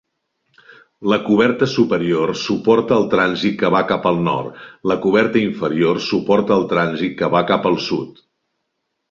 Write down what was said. La coberta superior suporta el trànsit que va cap al nord; la coberta inferior suporta el trànsit que va cap al sud.